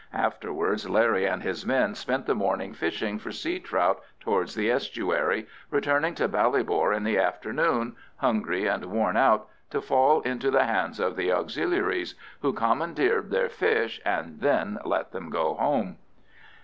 Afterwards Larry and his men spent the morning fishing for sea trout towards the estuary, returning to Ballybor in the afternoon, hungry and worn out, to fall into the hands of the Auxiliaries, who commandeered their fish and then let them go home.